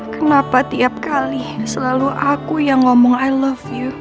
kenapa tiap kali selalu aku yang ngomong i love you